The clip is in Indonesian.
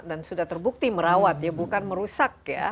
dan sudah terbukti merawat ya bukan merusak ya